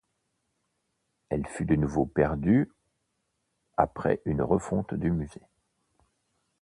Elle fut de nouveau perdue après une refonte du musée.